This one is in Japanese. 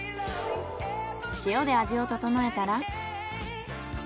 塩で味を調えたら。